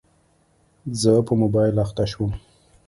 زه په موبایل اخته شوم.